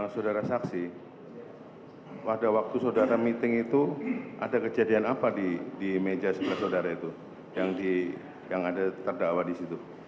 saudara saksi pada waktu saudara meeting itu ada kejadian apa di meja sebelah saudara itu yang ada terdakwa di situ